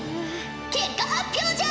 結果発表じゃ！